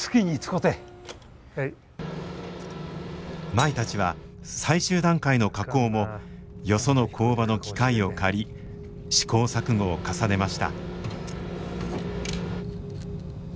舞たちは最終段階の加工もよその工場の機械を借り試行錯誤を重ねました。